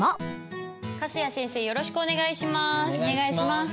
よろしくお願いします。